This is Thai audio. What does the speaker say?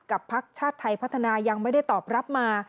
พักชาติไทยพัฒนายังไม่ได้ตอบรับมา